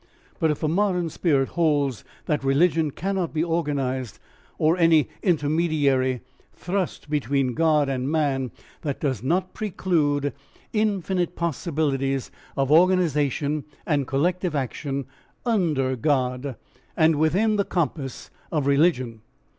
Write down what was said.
But if the modern spirit holds that religion cannot be organised or any intermediary thrust between God and man, that does not preclude infinite possibilities of organisation and collective action UNDER God and within the compass of religion.